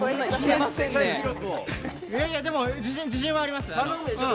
でも自信はあります。